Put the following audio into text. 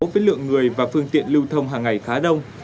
với lượng người và phương tiện lưu thông hàng ngày khá đông